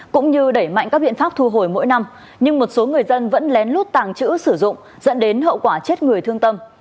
cũng như đẩy mạnh các biện pháp thu hồi mỗi năm nhưng một số người dân vẫn lén lút tàng trữ sử dụng dẫn đến hậu quả chết người thương tâm